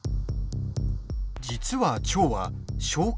実は腸は消化